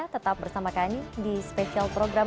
tetap bersama kami di spesial program